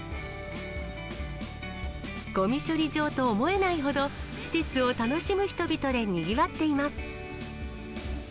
ごみ処理場と思えないほど、施設を楽しむ人々でにぎわっています。